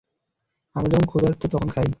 আমরা যখন ক্ষুধার্ত তখন খাই।